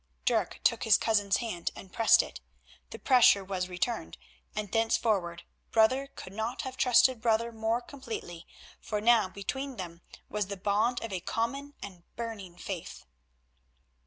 Dirk took his cousin's hand and pressed it. The pressure was returned, and thenceforward brother could not have trusted brother more completely, for now between them was the bond of a common and burning faith.